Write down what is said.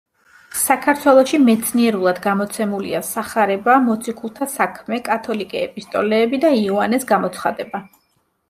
საქართველოში მეცნიერულად გამოცემულია სახარება, მოციქულთა საქმე, კათოლიკე ეპისტოლეები და იოანეს გამოცხადება.